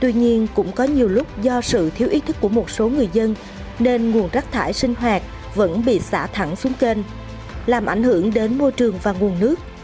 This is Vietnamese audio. tuy nhiên cũng có nhiều lúc do sự thiếu ý thức của một số người dân nên nguồn rác thải sinh hoạt vẫn bị xả thẳng xuống kênh làm ảnh hưởng đến môi trường và nguồn nước